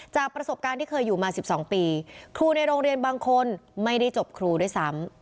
จากประสบการณ์ที่เคยอยู่มา๑๒ปีครูในโรงเรียนบางคนไม่ได้จบครูด้วยซ้ำ